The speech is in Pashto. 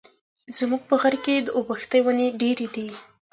زموږ په غره کي د اوبښتي وني ډېري دي.